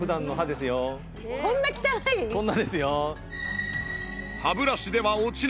こんなですよ。